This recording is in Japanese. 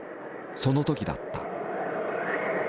その時だった。